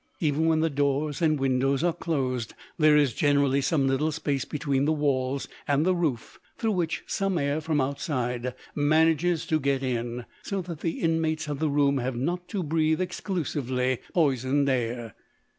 Even when the doors and windows are closed, there is generally some little space between the walls and the roof, through which some air from outside manages to get in, so that the inmates of the room have not to breathe exclusively poisoned air.